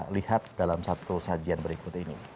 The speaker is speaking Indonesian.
lihat dalam satu sajian berikut ini